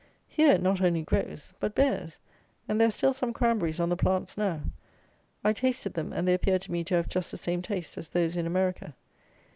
Here it not only grows, but bears; and there are still some cranberries on the plants now. I tasted them, and they appeared to me to have just the same taste as those in America.